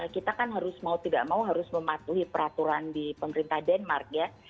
kita kan harus mau tidak mau harus mematuhi peraturan di pemerintah denmark ya